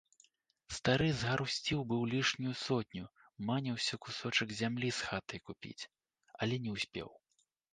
Стары згарусціў быў лішнюю сотню, маніўся кусочак зямлі з хатай купіць, але не ўспеў.